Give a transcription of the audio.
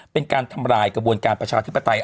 เป็นการทำลายกระบวนการประชาธิปไตย